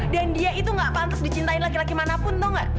dan dia itu gak pantas dicintain laki laki manapun tau gak